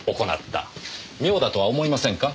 妙だとは思いませんか？